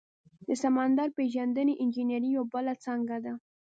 د سمندر پیژندنې انجنیری یوه بله څانګه ده.